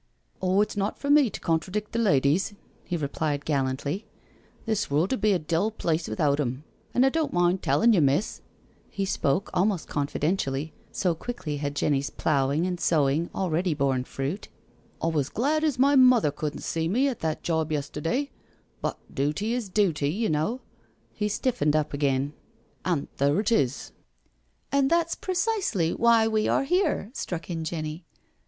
" Oh, it's not for me to contradict the ladies," he replied gallantly. "This world 'ud be a dull place without 'em. An' I don't mind tellin' you, miss "—he spoke almost confidentially, so quickly had Jenny's ploughing and sowing already borne fruit—" I was glad as my mother couldn't see me at that job yester day; but • dooty is dooty,' you know "—he stiffened up again—" and there it is," 84 NO SURRENDER " And that's precisely why we are here/' struck in Jenny.